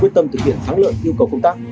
quyết tâm thực hiện thắng lợi yêu cầu công tác